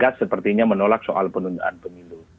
ya sepertinya menolak soal penundaan pemilu